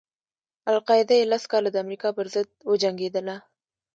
القاعده یې لس کاله د امریکا پر ضد وجنګېدله.